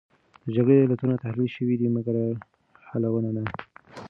د جګړې علتونه تحلیل شوې دي، مګر حلونه نه.